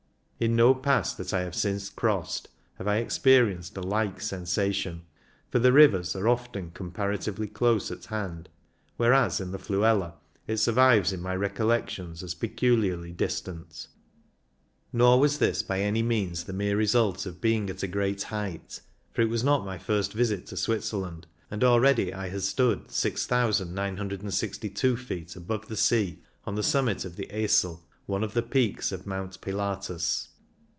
In no pass that I have since crossed have I experienced a like sensation, for the rivers are often com paratively close at hand, whereas, in the Fluela, it survives in my recollections as peculiarly distant. Nor was this by any means the mere result of being at a great height, for it was not my first visit to Switzerland, and already I had stood 6,962 feet above the sea on the summit of the Esel, one of the peaks of Mount Pilatus.